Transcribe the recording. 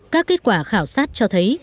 các kết quả khảo sát cho thấy